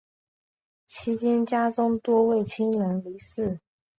期间家中多位亲人离世。